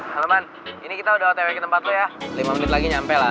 halo teman ini kita udah otw ke tempat lo ya lima menit lagi nyampe lah